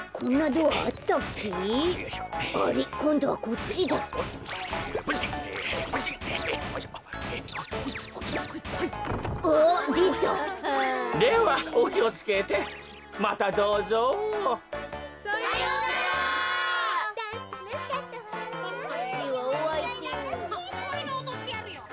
おれがおどってやるよ。